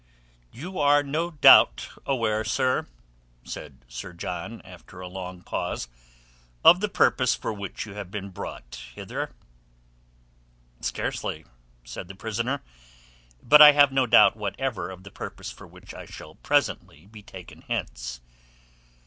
"You are no doubt aware, sir," said Sir John after a long pause, "of the purpose for which you have been brought hither." "Scarcely," said the prisoner. "But I have no doubt whatever of the purpose for which I shall presently be taken hence.